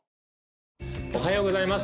おはようございます